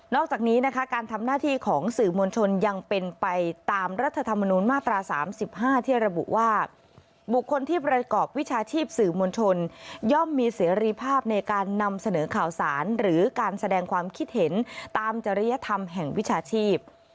จากนี้นะคะการทำหน้าที่ของสื่อมวลชนยังเป็นไปตามรัฐธรรมนุนมาตรา๓๕ที่ระบุว่าบุคคลที่ประกอบวิชาชีพสื่อมวลชนย่อมมีเสรีภาพในการนำเสนอข่าวสารหรือการแสดงความคิดเห็นตามจริยธรรมแห่งวิชาชีพ